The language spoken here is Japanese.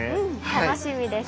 楽しみですね。